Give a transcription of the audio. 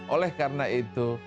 oleh karena itu